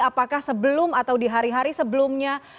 apakah sebelum atau di hari hari sebelumnya